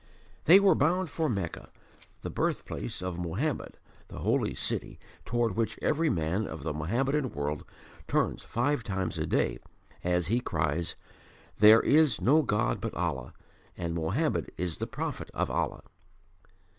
They were bound for Mecca, the birthplace of Mohammed, the Holy City toward which every man of the Mohammedan world turns five times a day as he cries, "There is no God but Allah, and Mohammed is the prophet of Allah."